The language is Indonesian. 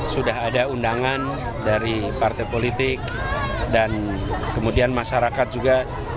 sudah ada undangan dari partai politik dan kemudian masyarakat juga